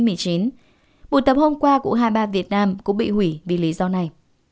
buổi tập hôm qua của u hai mươi ba việt nam cũng bị hủy vì lý do này